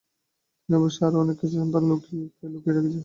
তিনি অবশ্যই আরও অনেক সন্তানকে লুকিয়ে রাখার ইচ্ছা ত্যাগ করেছিলেন।